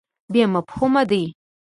بې مفهومه دی.